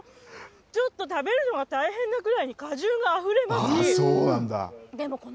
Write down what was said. ちょっと食べるのが大変なぐらい果汁があふれますし。